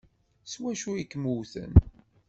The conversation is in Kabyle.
S wacu i kem-wwten?